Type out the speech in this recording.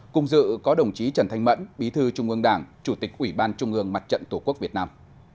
cùng dự có đồng chí trần thanh mẫn bí thư trung ương đảng chủ tịch ủy ban trung ương mặt trận tổ quốc việt nam